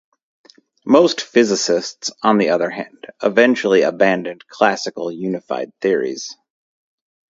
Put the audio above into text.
Most physicists, on the other hand, eventually abandoned classical unified theories.